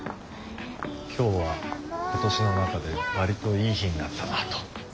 「今日は今年の中で割といい日になったな」と。